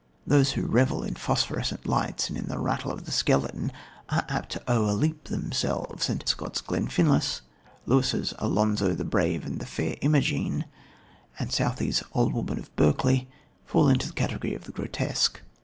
Those who revel in phosphorescent lights and in the rattle of the skeleton are apt to o'erleap themselves; and Scott's Glenfinlas, Lewis's Alonzo the Brave and the Fair Imogene and Southey's Old Woman of Berkeley fall into the category of the grotesque.